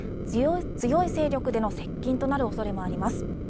強い勢力での接近となるおそれもあります